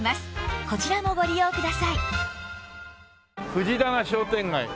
藤棚商店街。